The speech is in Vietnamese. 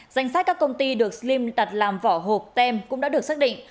danh sách các công ty được sliam đặt làm vỏ hộp tem cũng đã được xác định